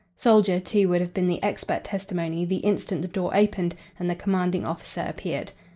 Soldier, too, would have been the expert testimony the instant the door opened and the commanding officer appeared.